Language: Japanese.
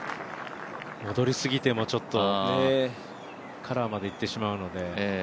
戻りすぎてもちょっと、カラーまで行ってしまうので。